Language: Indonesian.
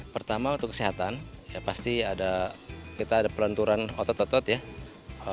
pertama untuk kesehatan ya pasti ada kita ada pelenturan otot otot ya